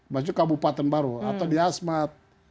masuk kabupaten baru atau di asmat